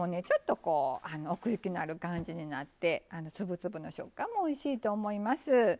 ちょっとこう奥行きのある感じになって粒々の食感もおいしいと思います。